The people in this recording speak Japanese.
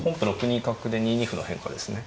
６二角で２二歩の変化ですね。